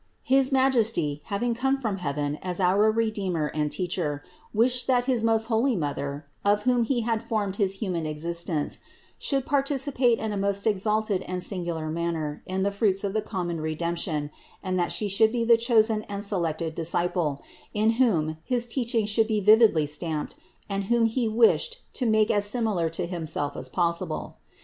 His Majesty, having come from heaven as our Redeemer and Teacher, wished that his most holy Mother, of whom He had formed his human existence, should participate in a most exalted and singular manner in the fruits of the common Redemption and that She should be the chosen and selected Disciple, in whom his teaching should be vividly stamped and whom He wished to make as similar to Himself as possible.